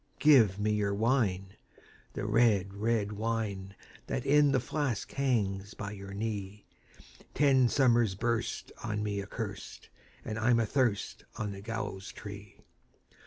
"Give me your wine, the red, red wine, That in the flask hangs by your knee! Ten summers burst on me accurst, And I'm athirst on the gallows tree."